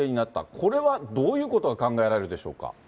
これはどういうことが考えられるでしょうか？